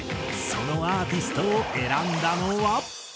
そのアーティストを選んだのは。